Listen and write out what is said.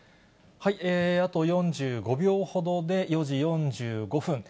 あと４５秒ほどで、４時４５分。